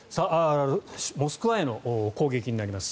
モスクワへの攻撃になります。